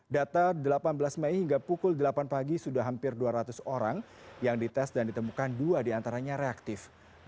data delapan belas mei hingga pukul delapan pagi sudah hampir dua ratus orang yang dites dan ditemukan dua diantaranya reaktif